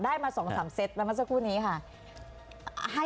ได้มา๒๓เซตมาสักครู่นี้ค่ะ